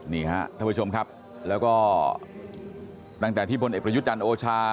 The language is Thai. นี่ฮะท่านผู้ชมครับแล้วก็ตั้งแต่ที่พลเอกประยุทธ์จันทร์โอชา